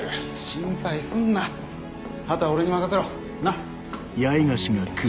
心配すんな後は俺に任せろ。な？